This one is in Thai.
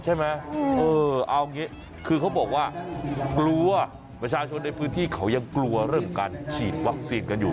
ใช่ไหมเออเอางี้คือเขาบอกว่ากลัวประชาชนในพื้นที่เขายังกลัวเรื่องของการฉีดวัคซีนกันอยู่